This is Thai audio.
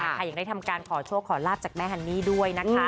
ยังได้ทำการขอโชคขอลาบจากแม่ฮันนี่ด้วยนะคะ